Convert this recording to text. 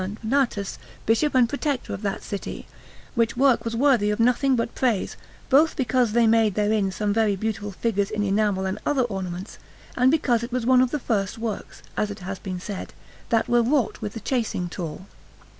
Donatus, Bishop and Protector of that city; which work was worthy of nothing but praise, both because they made therein some very beautiful figures in enamel and other ornaments, and because it was one of the first works, as it has been said, that were wrought with the chasing tool.